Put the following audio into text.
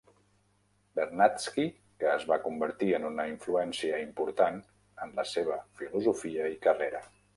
Vernadsky, que es va convertir en una influència important en la seva filosofia i carrera.